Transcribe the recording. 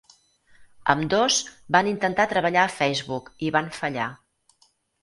Ambdós van intentar treballar a Facebook i van fallar.